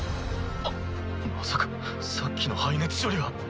あっまさかさっきの排熱処理は。